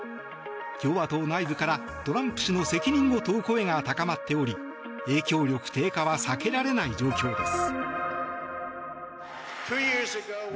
共和党内部からトランプ氏の責任を問う声が高まっており影響力低下は避けられない状況です。